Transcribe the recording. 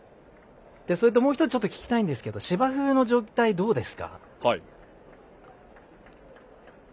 それともう一つ聞きたいんですけど芝生の状態、どうですか？